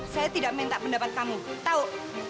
saya tidak minta pendapat kamu tahu